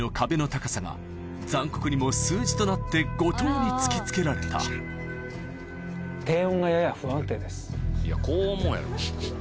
高さが残酷にも数字となって後藤に突き付けられたいや高音もやろ。